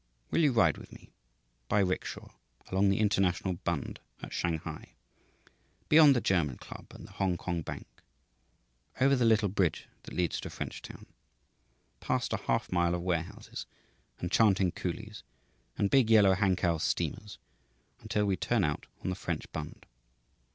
Will you ride with me (by rickshaw) along the International Bund at Shanghai beyond the German Club and the Hongkong Bank over the little bridge that leads to Frenchtown past a half mile of warehouses and chanting coolies and big yellow Hankow steamers until we turn out on the French Bund?